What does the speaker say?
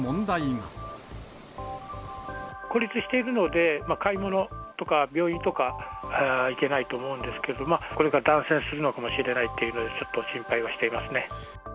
孤立しているので、買い物とか病院とか行けないと思うんですけど、これから断水するのかもしれないということで、ちょっと心配はしていますね。